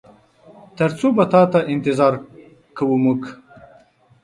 تر څو به تاته انتظار کوو مونږ؟